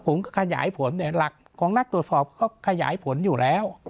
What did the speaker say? ผมขยายผลเนี่ยหลักของนักตรวจสอบเขาขยายผลอยู่แล้ว